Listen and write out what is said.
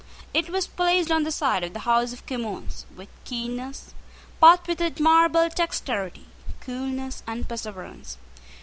It was played on the side of the House of Commons with keenness, but with admirable dexterity, coolness, and perseverance.